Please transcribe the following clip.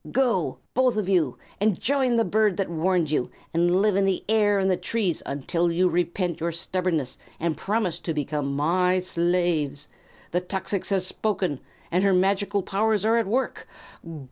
Go, both of you, and join the bird that warned you, and live in the air and the trees until you repent your stubbornness and promise to become my slaves. The tuxix has spoken, and her magical powers are at work.